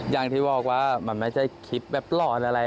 อย่างที่บอกว่ามันไม่ใช่คลิปแบบหลอนอะไร